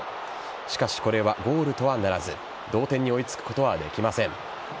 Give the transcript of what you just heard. しかし、これはゴールとはならず同点に追いつくことはできません。